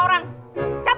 aku ada apaan